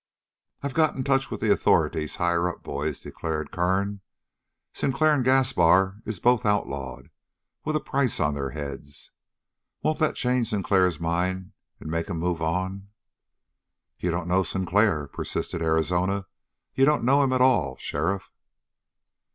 "I've got in touch with the authorities higher up, boys," declared Kern. "Sinclair and Gaspar is both outlawed, with a price on their heads. Won't that change Sinclair's mind and make him move on?" "You don't know Sinclair," persisted Arizona. "You don't know him at all, sheriff."